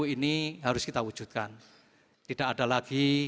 techline kpu ini harus kita wujudkan tidak ada lagi